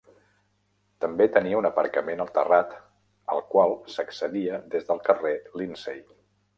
També tenia un aparcament al terrat al qual s'accedia des del carrer Lindsay.